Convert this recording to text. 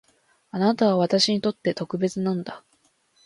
あなたは私にとって特別なんだ